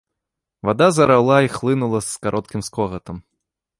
Вада зараўла і хлынула з кароткім скогатам.